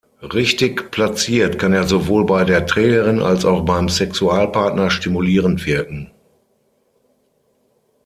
Richtig platziert kann er sowohl bei der Trägerin als auch beim Sexualpartner stimulierend wirken.